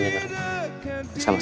tapi dekat di doa